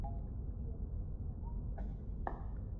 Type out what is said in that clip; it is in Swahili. maneno kutoka kwa Kiswahili hadi kwa lugha ya Kigiriama